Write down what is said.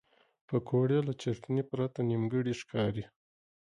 پکورې له چټنې پرته نیمګړې ښکاري